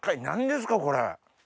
何ですかこれ。